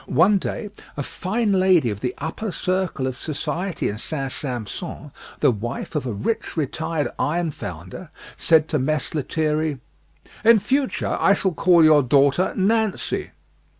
One day, a fine lady of the upper circle of society in St. Sampson, the wife of a rich retired ironfounder, said to Mess Lethierry, "In future, I shall call your daughter Nancy."